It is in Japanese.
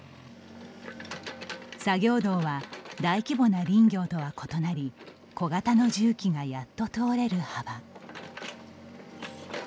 作業道は大規模な林業とは異なり小型の重機がやっと通れる幅。